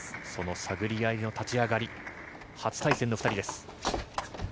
探り合いの立ち上がり、初対戦の２人です。